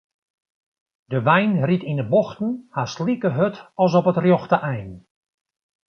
De wein ried yn 'e bochten hast like hurd as op it rjochte ein.